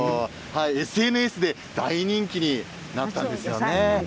ＳＮＳで大人気になったんですね。